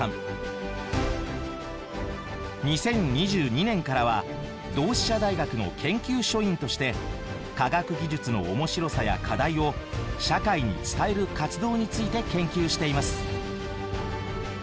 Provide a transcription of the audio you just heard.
２０２２年からは同志社大学の研究所員として科学技術の面白さや課題を社会に伝える活動について研究しています。